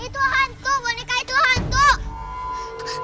itu hantu menikah itu hantu